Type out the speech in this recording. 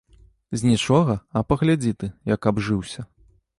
З нічога, а паглядзі ты, як абжыўся.